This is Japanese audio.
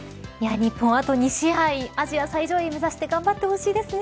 日本あと２試合アジア最上位目指して頑張ってほしいですね。